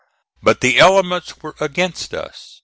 But the elements were against us.